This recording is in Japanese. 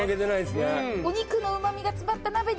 お肉のうまみが詰まった鍋でやる